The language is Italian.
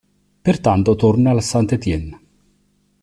Pertanto torna al Saint-Étienne.